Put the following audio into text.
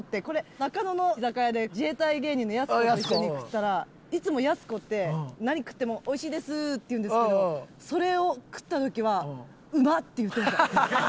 これ中野の居酒屋で自衛隊芸人のやす子と一緒に食ったらいつもやす子って何食っても「美味しいですぅ」って言うんですけどそれを食った時は「うまっ！」って言ってました。